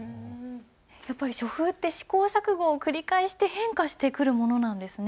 やっぱり書風って試行錯誤を繰り返して変化してくるものなんですね。